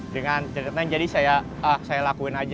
dengan ceritanya jadi saya lakuin aja